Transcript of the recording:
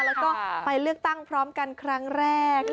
แล้วก็ไปเลือกตั้งพร้อมกันครั้งแรก